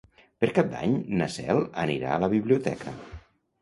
Per Cap d'Any na Cel anirà a la biblioteca.